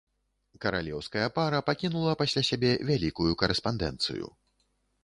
Каралеўская пара пакінула пасля сябе вялікую карэспандэнцыю.